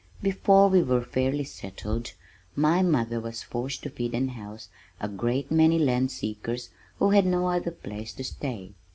Before we were fairly settled, my mother was forced to feed and house a great many land seekers who had no other place to stay.